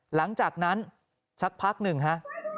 หลังจากนั้นสักพักหนึ่งฮะ